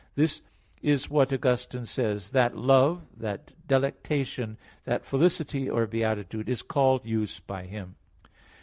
This is what Augustine says (De Trin. vi, 10): "That love, that delectation, that felicity or beatitude, is called use by him" (Hilary).